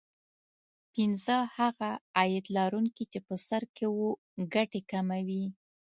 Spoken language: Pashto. پینځه هغه عاید لرونکي چې په سر کې وو ګټې کموي